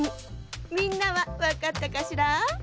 みんなはわかったかしら？